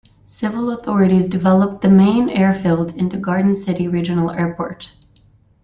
Civil authorities developed the main airfield into Garden City Regional Airport.